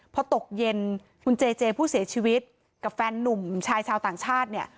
พอตกเย็นคุณเจเจผู้เสียชีวิตกับแฟนนุ่มชายชาวต่างชาติเนี่ย